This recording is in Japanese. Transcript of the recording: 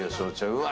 うわ！